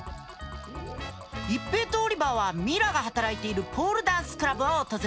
一平とオリバーはミラが働いているポールダンスクラブを訪れる。